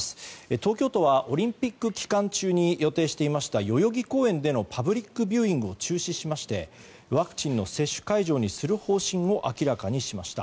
東京都はオリンピック期間中に予定していました代々木公園でのパブリックビューイングを中止しましてワクチンの接種会場にする方針を明らかにしました。